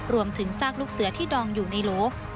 รวมถึงซากลูกเสือที่ดองอยู่ในโล๊ะ